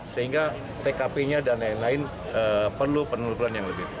sehingga tkp nya dan lain lain perlu peneluk lagi